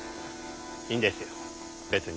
いいんですよ別に。